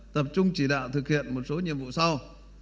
tập trung chỉ đạo thực hiện một số nhiệm vụ sau